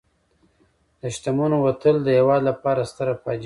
د شتمنو وتل د هېواد لپاره ستره فاجعه وي.